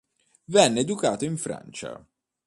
Venne educato in Francia.